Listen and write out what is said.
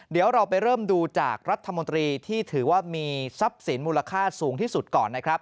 เดี๋ยวเราไปเริ่มดูจากรัฐมนตรีที่ถือว่ามีทรัพย์สินมูลค่าสูงที่สุดก่อนนะครับ